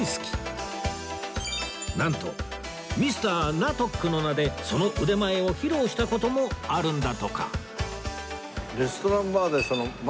なんと Ｍｒ． ナトックの名でその腕前を披露した事もあるんだとか